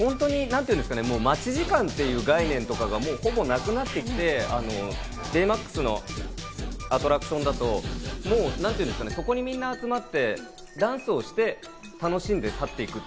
待ち時間という概念とかがほぼなくなってきて、ベイマックスのアトラクションだとそこにみんな集まって、ダンスをして、楽しんで去っていく。